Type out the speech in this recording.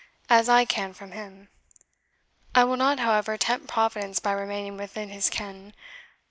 as I can from him. I will not, however, tempt Providence by remaining within his ken.